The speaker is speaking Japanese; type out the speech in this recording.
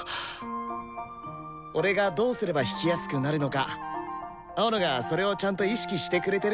俺がどうすれば弾きやすくなるのか青野がそれをちゃんと意識してくれてるのが分かるよ。